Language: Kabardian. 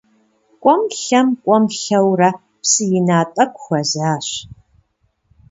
КӀуэм-лъэм, кӀуэм-лъэурэ, псы ина тӀэкӀу хуэзащ.